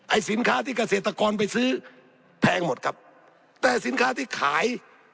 สินค้าที่เกษตรกรไปซื้อแพงหมดครับแต่สินค้าที่ขาย